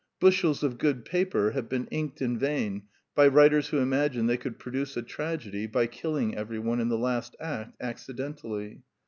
Bushels of good paper have been inked in vain by writers who imagined they could produce a tragedy by killing everyone in the last act accidentally.